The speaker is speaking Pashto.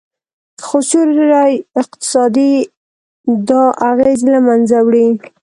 خو سیوري اقتصاد دا اغیز له منځه وړي